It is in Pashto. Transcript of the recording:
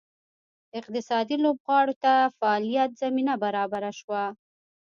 اقتصادي لوبغاړو ته د فعالیت زمینه برابره شوه.